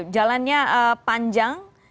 oke jalannya panjang